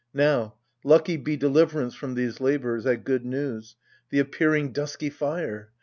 Now, lucky be deliverance from these labours. At good news — the appearing dusky fire